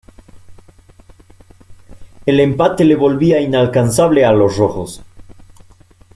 El empate le volvía inalcanzable a los Rojos.